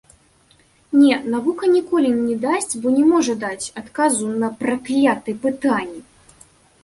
Не, навука ніколі не дасць, бо не можа даць, адказу на праклятыя пытанні.